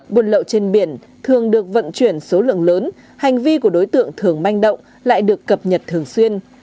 buôn lậu trên biển thường được vận chuyển số lượng lớn hành vi của đối tượng thường manh động lại được cập nhật thường xuyên